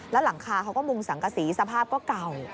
แล้วหลังคาเขาก็มุงสังกษีสภาพก็เก่า